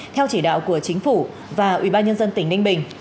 theo chỉ đạo của chính phủ và ubnd tỉnh ninh bình